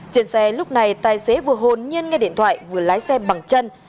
trên xe lúc này tài xế vừa hồn nhiên nghe điện thoại vừa lái xe bằng chân